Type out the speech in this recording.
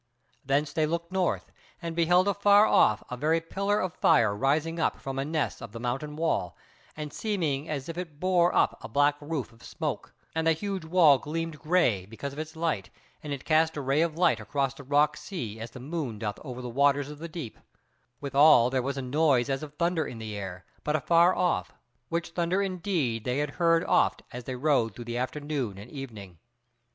Thence they looked north and beheld afar off a very pillar of fire rising up from a ness of the mountain wall, and seeming as if it bore up a black roof of smoke; and the huge wall gleamed grey, because of its light, and it cast a ray of light across the rock sea as the moon doth over the waters of the deep: withal there was the noise as of thunder in the air, but afar off: which thunder indeed they had heard oft, as they rode through the afternoon and evening.